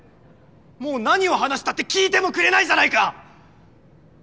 もう何を話したって聞いてもくれないじゃないか！